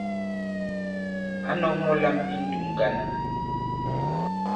Ǎ nɔ̄k mɔ̄ lām I ǹndùm ŋgǎn.